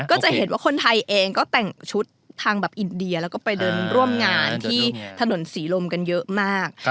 ก็จะเห็นว่าคนไทยเองก็แต่งชุดทางแบบอินเดียแล้วก็ไปเดินร่วมงานที่ถนนศรีลมกันเยอะมาก